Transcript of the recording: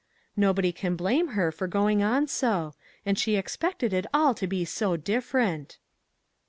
Nobody can blame her for going on so ; and she expected it all to be so different